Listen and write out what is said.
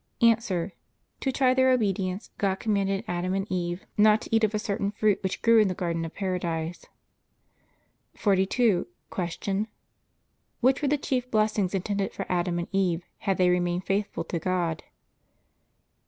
A. To try their obedience God commanded Adam and Eve not to eat of a certain fruit which grew in the garden of Paradise. 42. Q. Which were the chief blessings intended for Adam and Eve had they remained faithful to God?